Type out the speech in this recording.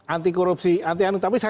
anti korupsi anti tapi saya